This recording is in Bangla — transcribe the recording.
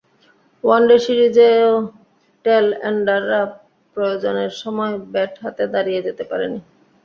ওয়ানডে সিরিজেও টেল এন্ডাররা প্রয়োজনের সময় ব্যাট হাতে দাঁড়িয়ে যেতে পারেনি।